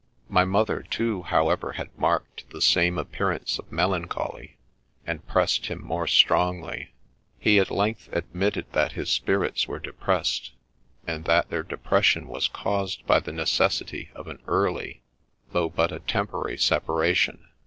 My mother, too, however, had marked the same appearance of melancholy, and pressed him more strongly. He at length admitted that his spirits were depressed, and that their depres sion was caused by the necessity of an early, though but a tem porary, separation.